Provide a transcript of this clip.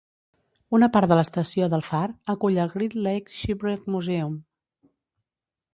Una part de l'estació del far acull el Great Lakes Shipwreck Museum.